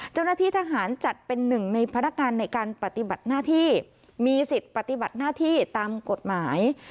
เจ้าหน้าที่ทหารจัดเป็นหนึ่งในพนักงานในการปฏิบัติหน้าที่มีสิทธิ์ปฏิบัติหน้าที่ตามกฎหมาย